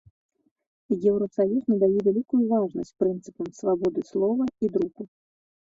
Еўрасаюз надае вялікую важнасць прынцыпам свабоды слова і друку.